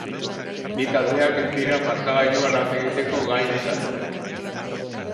Bi taldeak ez dira markagailuan alde egiteko gai izan.